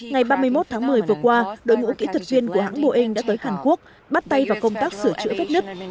ngày ba mươi một tháng một mươi vừa qua đội ngũ kỹ thuật viên của hãng boeing đã tới hàn quốc bắt tay vào công tác sửa chữa vết nứt